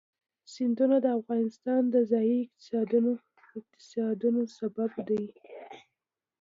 سیندونه د افغانستان د ځایي اقتصادونو بنسټ دی.